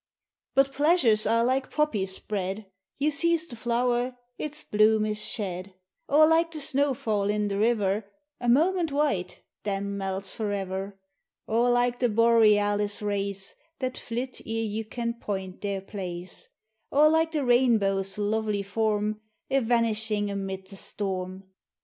But pleasures are like poppies spread ; You seize the flower, its bloom is shed ; Or like the snow fall in the river, A moment white, — then melts forever ; Or like the borealis race, That flit ere you can point their place ; Or like the rainbow's lovely form Evanishing amid the storm.